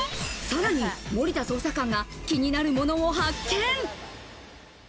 さらに森田捜査官が気になるものを発見。